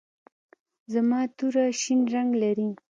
زما توره شین رنګ لري.